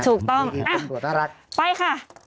ถูกต้องไปค่ะ